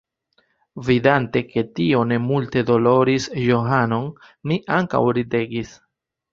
Vidante ke tio ne multe doloris Johanon, mi ankaŭ ridegis.